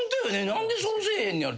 何でそうせえへんねやろ。